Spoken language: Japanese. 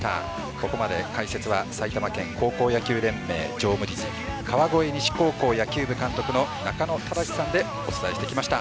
ここまで解説は埼玉県高校野球連盟常務理事川越西高校野球部監督の中野忠司さんでお伝えしてきました。